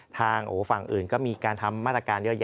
ทางฝั่งอื่นก็มีการทำมาตรการเยอะ